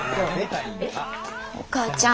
お母ちゃん。